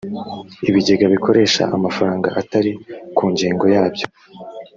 ibigega bikoresha amafaranga atari ku ngengo yabyo